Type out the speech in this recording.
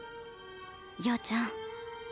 陽ちゃん。